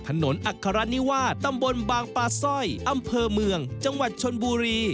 อัครนิวาตำบลบางปลาสร้อยอำเภอเมืองจังหวัดชนบุรี